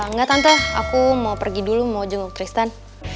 enggak tante aku mau pergi dulu mau jenguk tristan